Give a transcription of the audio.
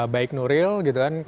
baik nuril gitu kan